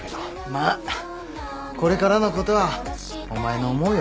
まあこれからのことはお前の思うようにしろ。